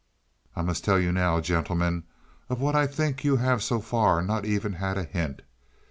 "I must tell you now, gentlemen, of what I think you have so far not even had a hint.